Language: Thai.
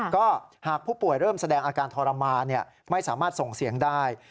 ก็หากผู้ป่วยเริ่มแสดงอาการทรมานไม่สามารถส่งเสียงได้